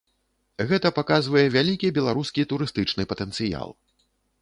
Гэта паказвае вялікі беларускі турыстычны патэнцыял.